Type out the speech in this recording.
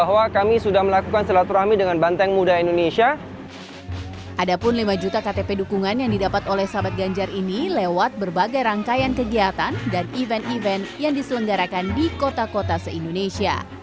ada pun lima juta ktp dukungan yang didapat oleh sahabat ganjar ini lewat berbagai rangkaian kegiatan dan event event yang diselenggarakan di kota kota se indonesia